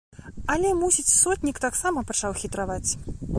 Але, мусіць, сотнік таксама пачаў хітраваць.